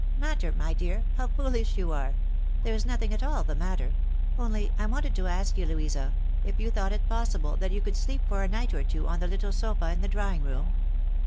"" Matter, my dear ! How foolish you are ! There is nothing at all the matter ; only I wanted to ask you, Louisa, if you thought it possible that you could 'sleep for a night or two on the little sofa in the drawing room.